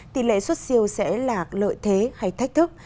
tỷ lệ xuất siêu sẽ là lợi thế hay thách thức